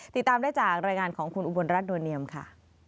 ติดตามได้จากรายงานของคุณอุบลรัฐนวลเนียมค่ะ